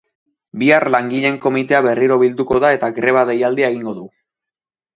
Bihar langileen komitea berriro bilduko da eta greba deialdia egingo du.